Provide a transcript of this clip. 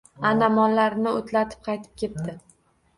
Ana, mollarini oʻtlatib qaytib kepti